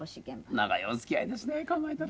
長いお付き合いですね考えたら。